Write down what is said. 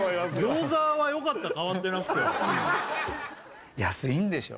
餃子はよかった変わってなくて安いんでしょ？